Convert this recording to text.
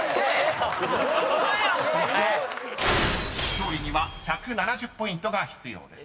［勝利には１７０ポイントが必要です］